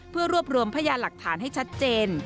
เพื่อรวบรวมพยานหลักฐานให้ชัดเจน